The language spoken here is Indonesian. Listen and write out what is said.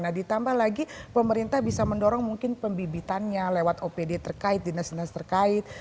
nah ditambah lagi pemerintah bisa mendorong mungkin pembibitannya lewat opd terkait dinas dinas terkait